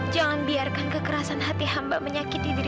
jangan biarkan kekerasan hati hamba menyakiti diri hamba sendiri